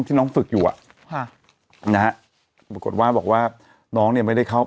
น้องฝึกอยู่อ่ะค่ะนะฮะปรากฏว่าบอกว่าน้องเนี่ยไม่ได้เข้า